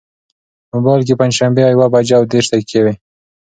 په مبایل کې پنجشنبه او یوه بجه او دېرش دقیقې وې.